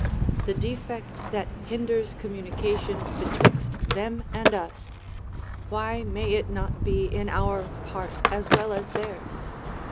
The defect that hinders communication betwixt them and us, why may it not be in our part as well as theirs?